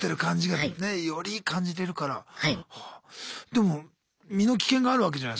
でも身の危険があるわけじゃないすか。